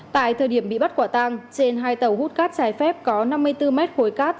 tại thời điểm bị bắt quả tăng trên hai tàu hút cát trái phép có năm mươi bốn m hai